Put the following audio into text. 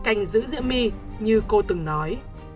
canh giữ diễm my như cô từng nói